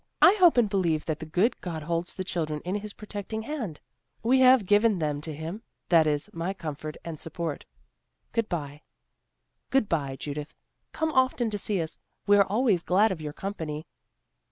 I hope and believe that the good God holds the children in his protecting hand. We have given them to him; that is my comfort and support Good bye, Judith; come often to see us; we are always glad of your company."